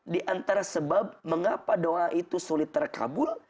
di antara sebab mengapa doa itu sulit terkabul